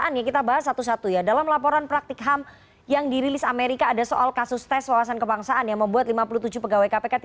dan itu adalah hal hal yang dilaporkan oleh kementerian luar negeri amerika itu